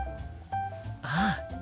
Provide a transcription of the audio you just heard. ああ。